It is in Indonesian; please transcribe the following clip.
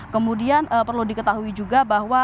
kemudian perlu diketahui juga bahwa